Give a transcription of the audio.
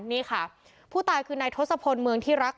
นี่ค่ะผู้ตายคือนายทศพลเมืองที่รัก